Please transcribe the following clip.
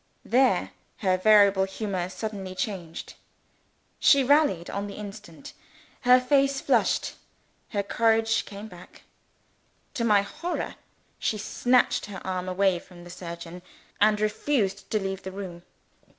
There, her variable humour suddenly changed. She rallied on the instant. Her face flushed; her courage came back. To my horror, she snatched her arm away from the surgeon, and refused to leave the room.